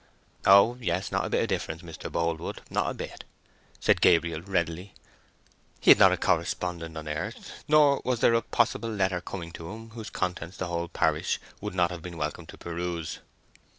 "Oh yes—not a bit of difference, Mr. Boldwood—not a bit," said Gabriel, readily. He had not a correspondent on earth, nor was there a possible letter coming to him whose contents the whole parish would not have been welcome to peruse.